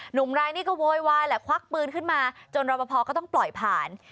หนุ่มรายนี้ก็โวยวายแหละควักปืนขึ้นมาจนรอปภก็ต้องปล่อยผ่าน